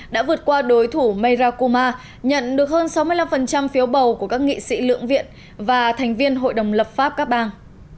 đã vượt qua đối thủ mayrakuma nhận được hơn sáu mươi năm phiếu bầu của các nghị sĩ lượng viện và thành viên hội đồng lập pháp các bang